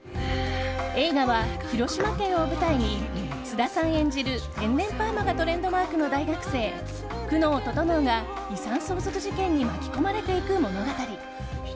映画は広島県を舞台に菅田さん演じる天然パーマがトレードマークの大学生久能整が遺産相続事件に巻き込まれていく物語。